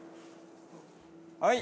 はい！